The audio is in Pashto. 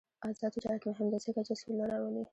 آزاد تجارت مهم دی ځکه چې سوله راولي.